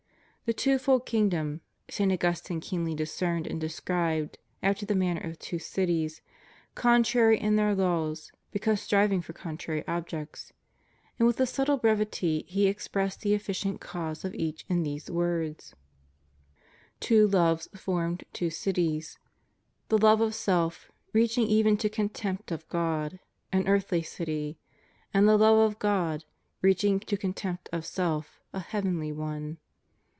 This twofold kingdom St. Augustine keenly discerned and described after the manner of two cities, contrary in their laws because striving for contrary objects; and with a subtle brevity he expressed the efficient cause of each in these words: "Two loves formed two cities: the love of self, reaching even to contempt of God, an earthly city; and the love of God, reaching to contempt of self, a heavenly one."